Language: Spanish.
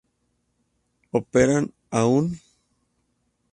Operan aun.